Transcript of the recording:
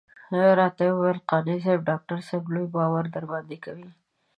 راته وويل قانع صاحب ډاکټر صاحب لوی باور درباندې کوي.